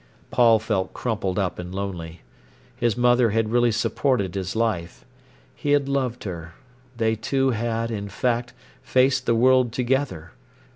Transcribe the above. Paul felt crumpled up and lonely. His mother had really supported his life. He had loved her; they two had, in fact, faced the world together.